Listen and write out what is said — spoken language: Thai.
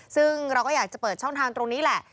ซึ่งเราก็อยากจะเปิดช่องทางตรงนี้แหละ